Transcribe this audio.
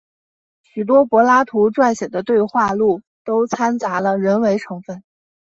许多柏拉图撰写的对话录都参杂了人为成分。